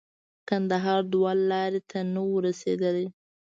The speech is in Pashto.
کندهار دوه لارې ته نه وو رسېدلي.